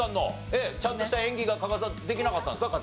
ちゃんとした演技が加賀さんできなかったんですか？